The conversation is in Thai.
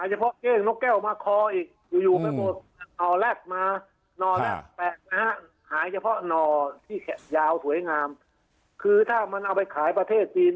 หายเฉพาะนที่แขดยาวสวยงามคือถ้ามันเอาไปขายประเทศจีน